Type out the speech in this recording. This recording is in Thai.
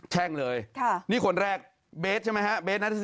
แง่งเลยนี่คนแรกเบสใช่ไหมฮะเบสนัท